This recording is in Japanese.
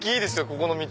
ここの道。